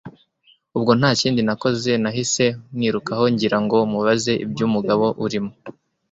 ubwo ntakindi nakoze nahise mwirukaho ngira ngo mubaze ibyumugabo urimo